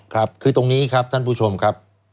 ครับคือตรงนี้ครับท่านผู้ชมครับ